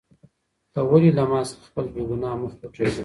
ته ولې له ما څخه خپل بېګناه مخ پټوې؟